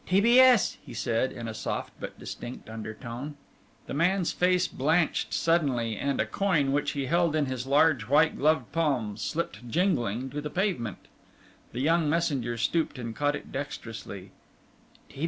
"T. B. S.," he said, in a soft but distinct undertone. The man's face blanched suddenly, and a coin which he held in his large, white gloved palm slipped jingling to the pavement. The young messenger stooped and caught it dexterously.